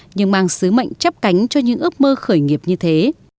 nhưng mang sứ mệnh chấp cánh cho những ước mơ khởi nghiệp như thế